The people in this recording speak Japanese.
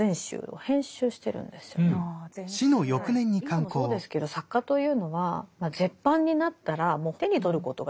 今もそうですけど作家というのは絶版になったらもう手に取ることができない。